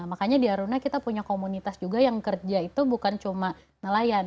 makanya di aruna kita punya komunitas juga yang kerja itu bukan cuma nelayan